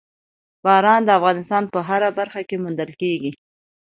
باران د افغانستان په هره برخه کې موندل کېږي.